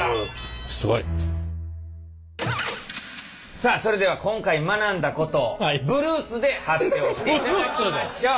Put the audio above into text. さあそれでは今回学んだことをブルースで発表していただきましょう。